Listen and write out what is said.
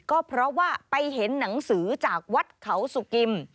ก็เพราะว่าไปเห็นหนังสือจากวัดเขาสุกิม